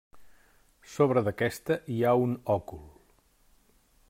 Sobre d'aquesta hi ha un òcul.